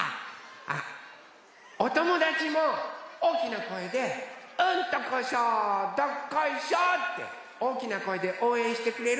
あっおともだちもおおきなこえで「うんとこしょどっこいしょ」っておおきなこえでおうえんしてくれる？